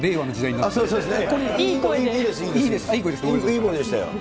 いい声でしたよ。